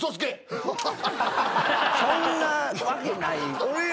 そんなわけない。